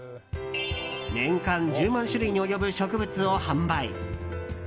年間１０万種類に及ぶ植物を販売。